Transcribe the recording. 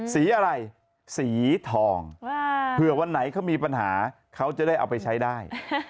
สีอะไรสีทองเผื่อวันไหนเขามีปัญหาเขาจะได้เอาไปใช้ได้